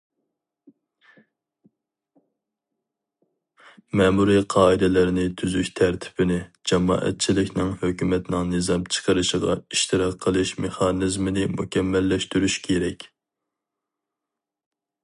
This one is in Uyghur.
مەمۇرىي قائىدىلەرنى تۈزۈش تەرتىپىنى، جامائەتچىلىكنىڭ ھۆكۈمەتنىڭ نىزام چىقىرىشىغا ئىشتىراك قىلىش مېخانىزمىنى مۇكەممەللەشتۈرۈش كېرەك.